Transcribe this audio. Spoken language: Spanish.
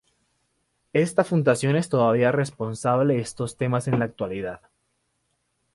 Esta fundación es todavía responsable de estos temas en la actualidad.